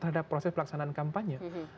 terhadap proses pelaksanaan kampanye